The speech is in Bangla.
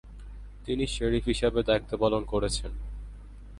তিনি শেরিফ হিসেবে দায়িত্বপালন করেছেন।